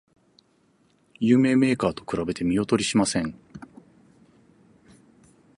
有名メーカーと比べて見劣りしません